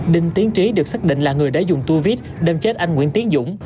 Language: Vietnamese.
đinh tiến trí được xác định là người đã dùng tua viết đem chết anh nguyễn tiến dũng